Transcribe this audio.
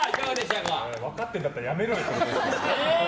分かってんだったらやめろよ。